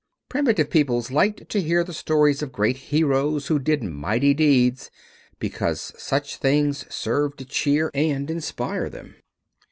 Primitive peoples liked to hear the stories of great heroes who did mighty deeds because such things served to cheer and inspirit them.